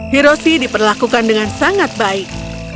hiroshi diperlakukan dengan sangat baik